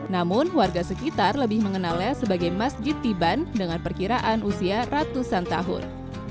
namun warga sekitar lebih mengenalnya sebagai masjid tiban dengan perkiraan usia ratusan tahun